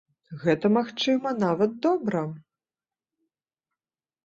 Гэта, магчыма, нават добра.